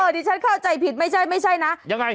นี่ฉันเข้าใจผิดไม่ใช่นะ